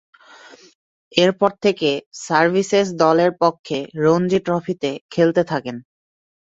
এরপর থেকে সার্ভিসেস দলের পক্ষে রঞ্জী ট্রফিতে খেলতে থাকেন।